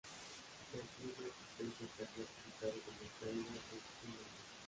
El clima existente está clasificado como cálido-subhúmedo.